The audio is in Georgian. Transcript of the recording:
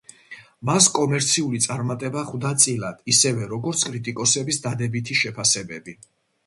მას კომერციული წარმატება ხვდა წილად, ისევე, როგორც კრიტიკოსების დადებითი შეფასებები.